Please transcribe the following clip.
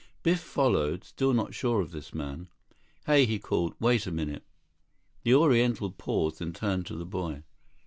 Biff followed, still not sure of this man. "Hey," he called. "Wait a minute!" The Oriental paused and turned to the boy.